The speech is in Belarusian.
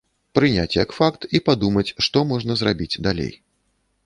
Прыняць як факт і падумаць, што можна зрабіць далей.